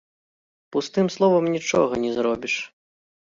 Пустым словам нічога не зробіш.